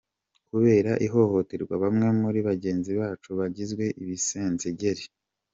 Kubera ihohoterwa bamwe muri bagenzi bacu bagizwe ibisenzegeri.